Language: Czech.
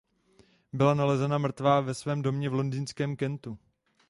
Byla nalezena mrtvá ve svém domě v londýnském Kentu.